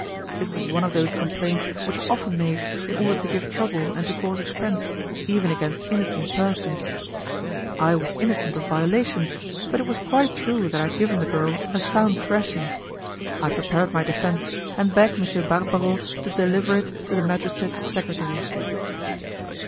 It was one of those complaints which are often made, in order to give trouble and to cause expense, even against innocent persons. I was innocent of violation, but it was quite true that I had given the girl a sound thrashing. I prepared my defence, and begged M. Barbaro to deliver it to the magistrate's secretary.